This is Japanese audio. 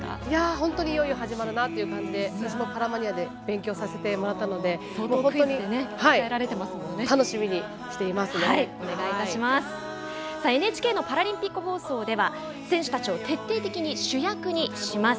本当にいよいよ始まるなという感じで私も「パラマニア」で勉強させてもらったのでＮＨＫのパラリンピック放送では選手たちを徹底的に主役にします。